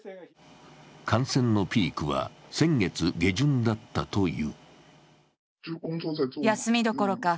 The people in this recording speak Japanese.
感染のピークは先月下旬だったという。